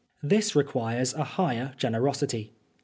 This requires a higher generosity.